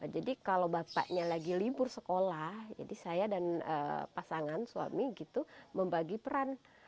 jadi kalau bapaknya lagi libur sekolah jadi saya dan pasangan suami membagi peran